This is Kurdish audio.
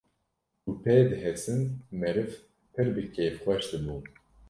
ku pê dihesin meriv pir bi kêfxweş dibûn